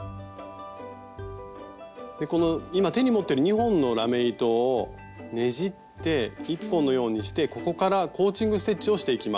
この今手に持ってる２本のラメ糸をねじって１本のようにしてここからコーチング・ステッチをしていきます。